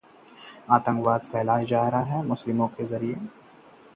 जैन-गैमलिन मामले में जांच के आदेश की मांग